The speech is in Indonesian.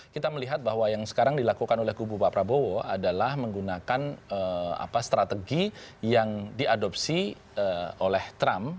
kita melihat bahwa yang sekarang dilakukan oleh kubu pak prabowo adalah menggunakan strategi yang diadopsi oleh trump